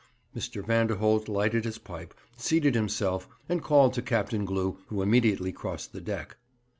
Mr. Vanderholt lighted his pipe, seated himself, and called to Captain Glew, who immediately crossed the deck.